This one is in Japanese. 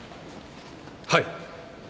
はい。